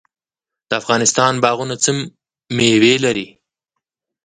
د افغانستان باغونه څه میوې لري؟